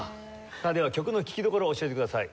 さあでは曲の聴きどころを教えてください。